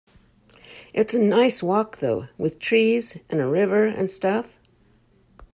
It's a nice walk though, with trees and a river and stuff.